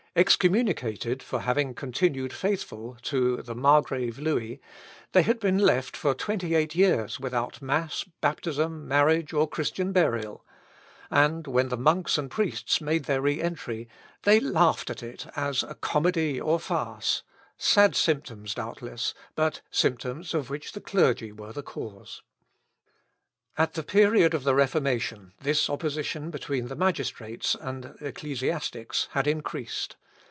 Excommunicated for having continued faithful to the Margrave Louis, they had been left for twenty eight years without mass, baptism, marriage, or Christian burial; and, when the monks and priests made their re entry, they laughed at it as a comedy or farce, sad symptoms, doubtless, but symptoms of which the clergy were the cause. At the period of the Reformation this opposition between the magistrates and ecclesiastics had increased.